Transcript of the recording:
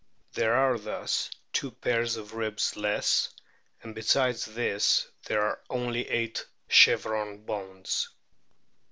There are thus two pairs of ribs less, and besides this there are only eight chevron bones.